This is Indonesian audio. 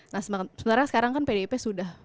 nah sementara sekarang kan pdip sudah